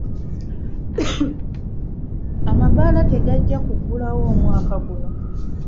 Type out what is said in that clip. "Amabaala tegajja kuggulawo omwaka guno.